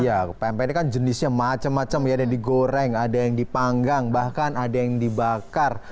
iya pempek ini kan jenisnya macam macam ya ada yang digoreng ada yang dipanggang bahkan ada yang dibakar